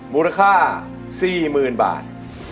มูลค่าสี่หมื่นบาท